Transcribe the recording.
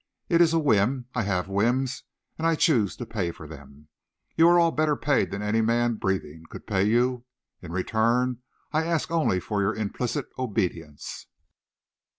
It is a whim. I have whims, and I choose to pay for them. You are all better paid than any man breathing could pay you. In return I ask only for your implicit obedience."